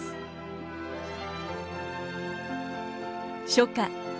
初夏。